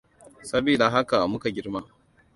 Sabida haka muka girma.